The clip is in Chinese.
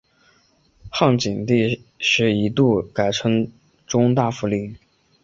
汉景帝时一度改称中大夫令。